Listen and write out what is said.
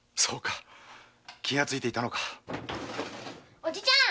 おじちゃん